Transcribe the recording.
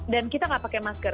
dan kita nggak pakai masker